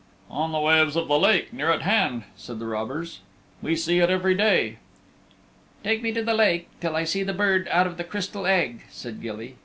"On the waves of the lake near at hand," said the robbers. "We see it every day." "Take me to the lake till I see the Bird out of the Crystal Egg," said Gilly.